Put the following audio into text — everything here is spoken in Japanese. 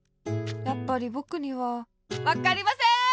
やっぱりぼくにはわっかりません！